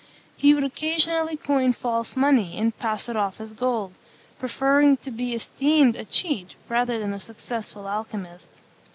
He would occasionally coin false money, and pass it off as gold; preferring to be esteemed a cheat rather than a successful alchymist.